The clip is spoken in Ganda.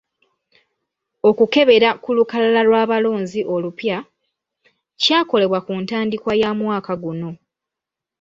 Okukebera ku lukalala lw'abalonzi olupya, kyakolebwa ku ntandikwa ya mwaka guno.